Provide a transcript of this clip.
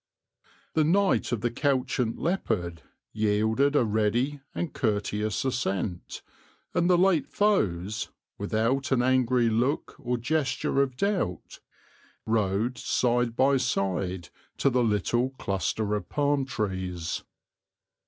The Knight of the Couchant Leopard yielded a ready and courteous assent; and the late foes, without an angry look or gesture of doubt, rode side by side to the little cluster of palm trees.